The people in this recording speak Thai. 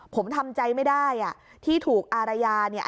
ผมทำใจไม่ได้ที่ถูกอารยาเนี่ย